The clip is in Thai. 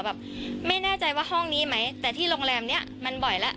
แบบไม่แน่ใจว่าห้องนี้ไหมแต่ที่โรงแรมนี้มันบ่อยแล้ว